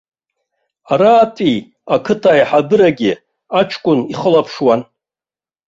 Аратәи ақыҭа аиҳабырагьы аҷкәын ихылаԥшуан.